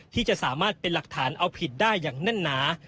ที่จะสามารถเป็นหลักฐานเอาผิดได้อย่างแน่นหนา